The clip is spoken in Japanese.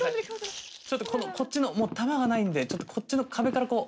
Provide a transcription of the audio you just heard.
ちょっとこのこっちのもう弾がないんでちょっとこっちの壁からこう。